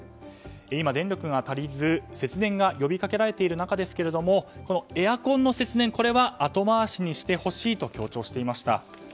今、電力が足りず節電が呼びかけられていますがエアコンの節電は後回しにしてほしいと強調していました。